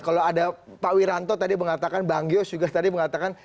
kalau ada pak wiranto tadi mengatakan bang yos juga tadi mengatakan